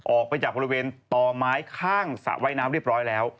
ออกไปจากบริเวณต่อไม้ข้างสระว่ายน้ำเรียบร้อยแล้ว